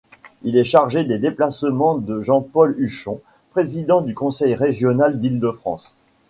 Il est chargé des déplacements de Jean-Paul Huchon, président du conseil régional d'Île-de-France.